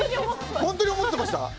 本当に思ってました？